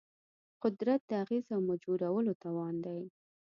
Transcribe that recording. قدرت د اغېز او مجبورولو توان دی.